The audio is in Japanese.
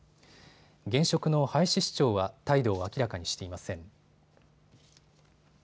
現職の林市長は態度を明らかにしていません。